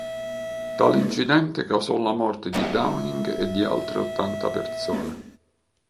Tale incidente causò la morte di Downing e di altre ottanta persone.